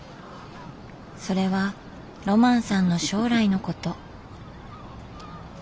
それはロマンさんの将来のこと。